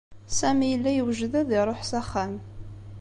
Sami yella yewjed ad iṛuḥ s axxam.